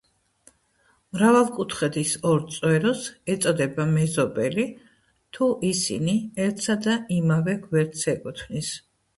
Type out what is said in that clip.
მრავალკუთხედის ორ წვეროს ეწოდება მეზობელი, თუ ისინი ერთსა და იმავე გვერდს ეკუთვნის.